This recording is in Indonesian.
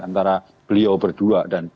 antara beliau berdua